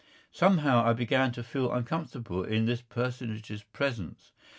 Somehow I began to feel uncomfortable in this personage's presence.